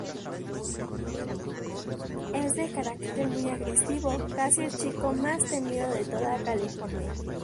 Es de carácter muy agresivo, casi el chico más temido de toda California.